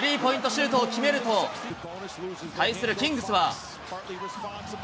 シュートを決めると、対するキングスは。